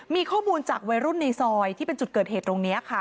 มีข้อมูลจากวัยรุ่นในซอยที่เป็นจุดเกิดเหตุตรงนี้ค่ะ